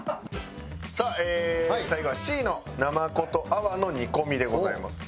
さあ最後はＣのナマコと粟の煮込みでございます。